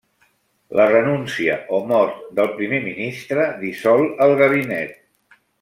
La renúncia o mort del primer ministre dissol el gabinet.